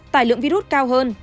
tài lượng virus cao hơn